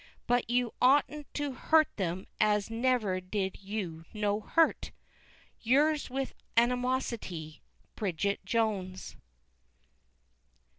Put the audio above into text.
But you oughtint to Hurt Them as never Did You no Hurt! Yourn with Anymocity, BRIDGET JONES.